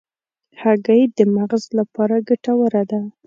هګۍ د مغز لپاره ګټوره ده.